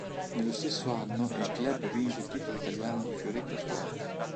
Nello stesso anno il club vince il titolo italiano di fioretto a squadre.